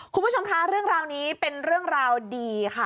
คุณผู้ชมคะเรื่องราวนี้เป็นเรื่องราวดีค่ะ